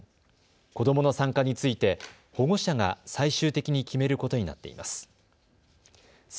子どもの参加について保護者が最終的に決めることになっています。